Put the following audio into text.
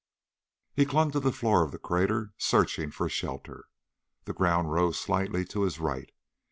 He clung to the floor of the crater, searching for shelter. The ground rose slightly to his right.